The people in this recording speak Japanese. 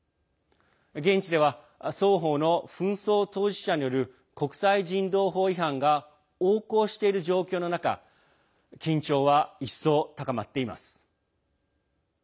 現地では双方の紛争当事者による国際人道法違反が横行している状況の中緊張は一層、高まっています。